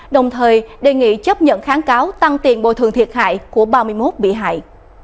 đồng thời đề nghị chấp nhận kháng cáo tăng tiền bồi thường thiệt hại của ba mươi một bị hại